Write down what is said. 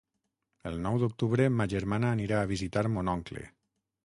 El nou d'octubre ma germana anirà a visitar mon oncle.